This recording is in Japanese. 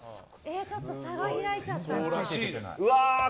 ちょっと差が開いちゃったな。